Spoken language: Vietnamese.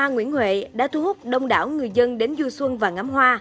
nguyễn huệ đã thu hút đông đảo người dân đến du xuân và ngắm hoa